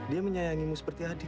dia menyayangimu seperti adik